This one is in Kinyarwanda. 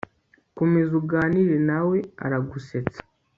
komeza uganire nawe aragusetsa